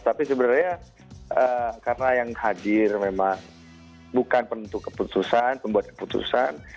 tapi sebenarnya karena yang hadir memang bukan penentu keputusan pembuat keputusan